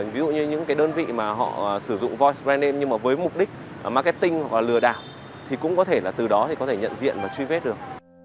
ví dụ như những cái đơn vị mà họ sử dụng voice brand name nhưng mà với mục đích marketing hoặc là lừa đảo thì cũng có thể là từ đó thì có thể nhận diện và truy vết được